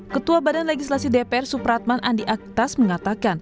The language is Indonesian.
ketua badan legislasi dpr supratman andi aktas mengatakan